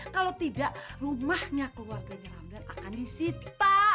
kalau tidak rumahnya keluarganya ramdan akan disita